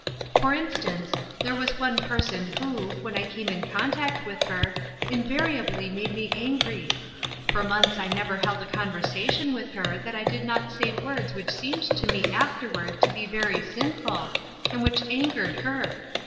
For instance, there was one person who, when I came in contact with her, invariably made me angry. For months I never held a conversation with her that I did not say words which seemed to me afterward to be very sinful, and which angered her.